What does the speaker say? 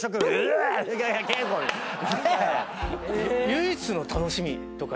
唯一の楽しみとか。